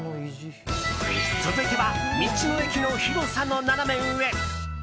続いては道の駅の広さのナナメ上！